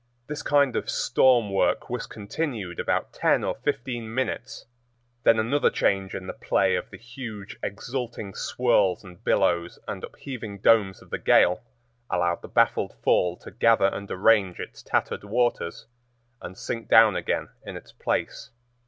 This kind of storm work was continued about ten or fifteen minutes; then another change in the play of the huge exulting swirls and billows and upheaving domes of the gale allowed the baffled fall to gather and arrange its tattered waters, and sink down again in its place.